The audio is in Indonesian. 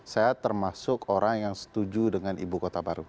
saya termasuk orang yang setuju dengan ibu kota baru